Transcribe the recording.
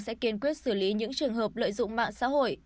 sẽ kiên quyết xử lý những trường hợp lợi dụng mạng xã hội